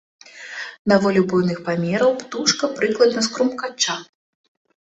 Даволі буйных памераў птушка, прыкладна з крумкача.